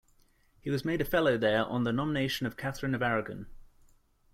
He was made a fellow there on the nomination of Catherine of Aragon.